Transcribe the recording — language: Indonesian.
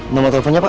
nama teleponnya pak